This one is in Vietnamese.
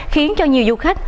khiến cho nhiều du khách